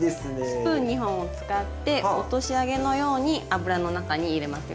スプーン２本を使って落とし揚げのように油の中に入れますよ。